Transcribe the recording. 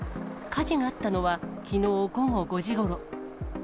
火事があったのはきのう午後５時ごろ。